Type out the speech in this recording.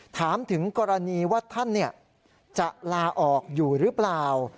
ถามถึงกรณีว่าท่านจะลาออกอยู่หรือเปล่า